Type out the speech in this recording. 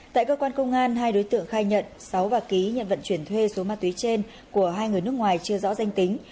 tại cơ quan công an hai đối tượng khai nhận sáu và ký nhận vận chuyển thuê số ma túy trên của hai người nước ngoài chưa rõ danh tính